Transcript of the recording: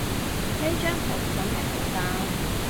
呢張圖真係好膠